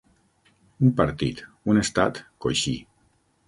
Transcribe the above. Un partit, un estat, coixí.